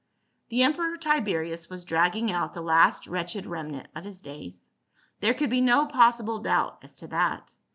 The emperor Tiberius was dragging out the last wretched remnant of his days. There could be no possible doubt as to that.